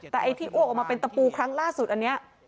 แต่ไอ้ที่อ้วกออกมาเป็นตะปูครั้งล่าสุดอันนี้